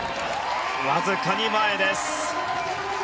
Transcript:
わずかの前です。